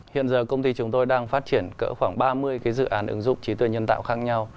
hiện giờ công ty chúng tôi đang phát triển cỡ khoảng ba mươi dự án ứng dụng trí tuệ nhân tạo khác nhau